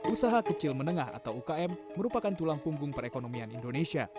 usaha kecil menengah atau ukm merupakan tulang punggung perekonomian indonesia